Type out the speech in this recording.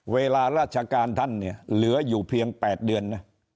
เวลาราชการท่านเนี่ยเหลืออยู่เพียง๘เดือนนะ